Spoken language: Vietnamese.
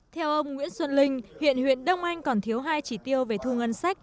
theo ông nguyễn xuân linh hiện huyện đông anh còn thiếu hai chỉ tiêu về thu ngân sách